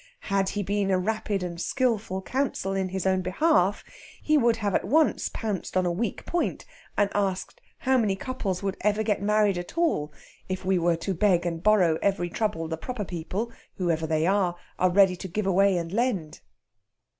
Had he been a rapid and skilful counsel in his own behalf, he would have at once pounced on a weak point, and asked how many couples would ever get married at all, if we were to beg and borrow every trouble the proper people (whoever they are) are ready to give away and lend.